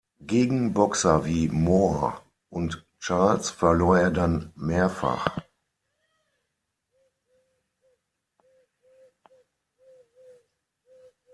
Gegen Boxer wie Moore und Charles verlor er dann mehrfach.